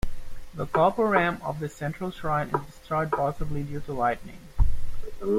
The "gopuram" of the central shrine is destroyed possibly due to lightning.